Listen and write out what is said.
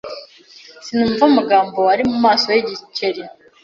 Sinumva amagambo ari mumaso yigiceri.